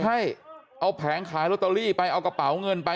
ให้เอาแผงขายลอตเตอรี่ไปเอากระเป๋าเงินไป